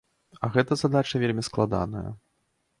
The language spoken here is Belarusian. А гэта задача вельмі складаная!